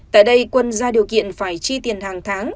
tại đây quân ra điều kiện phải chi tiền hàng tháng